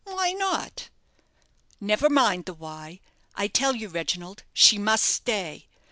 "Why not?" "Never mind the why. I tell you, Reginald, she must stay.